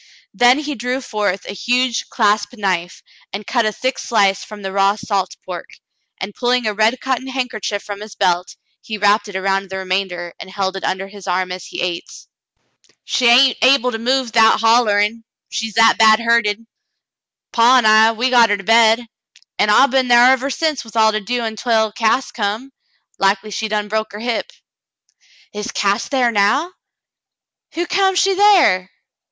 Then he drew forth a huge clasp knife and cut a thick sHce from the raw salt pork, and pulhng a red cotton handkerchief from his belt, he wrapped it around the re mamder and held it under his arm as he ate. "She hain't able to move 'thout hollerin', she's that bad hurted. Paw an* I, we got her to bed, an' I been thar ever since with all to do ontwell Cass come. Likely she done broke her hip." "Is Cass thar now ? Hu' come she thar ?"